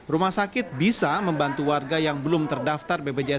rumah sakit bisa membantu warga yang belum terdaftar bpjs